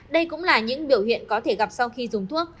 đây cũng là những biểu hiện có thể gặp sau khi dùng thuốc